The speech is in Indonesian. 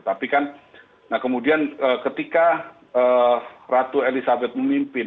tapi kan nah kemudian ketika ratu elizabeth ii memimpin